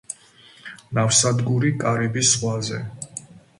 ნავსადგური კარიბის ზღვაზე.